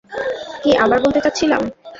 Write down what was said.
কী আবার বলতে চাচ্ছিলাম?